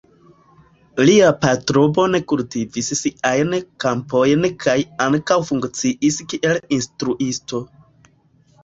Lia patro bone kultivis siajn kampojn kaj ankaŭ funkciis kiel instruisto.